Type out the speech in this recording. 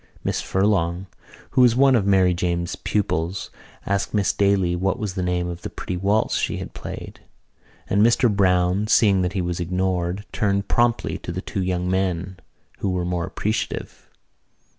Miss Furlong, who was one of Mary Jane's pupils, asked Miss Daly what was the name of the pretty waltz she had played; and Mr Browne, seeing that he was ignored, turned promptly to the two young men who were more appreciative.